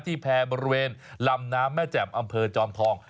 แพรบริเวณลำน้ำแม่แจ่มอำเภอจอมทอง